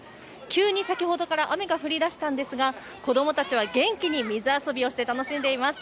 急に先ほどから雨が降り出したんですが子どもたちは元気に水遊びをして楽しんでいます